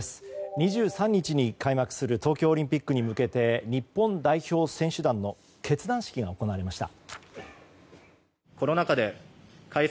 ２３日に開幕する東京オリンピックに向けて日本代表選手団の結団式が行われました。